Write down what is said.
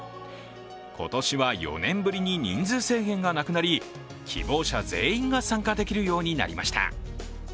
今年は４年ぶりに人数制限がなくなり希望者全員が参加できるようになりました。